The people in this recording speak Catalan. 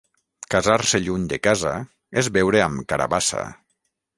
Casar-se lluny de casa és beure amb carabassa.